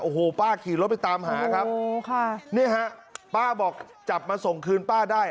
โอ้โหป้าขี่รถไปตามหาครับนี่ฮะป้าบอกจับมาส่งคืนป้าได้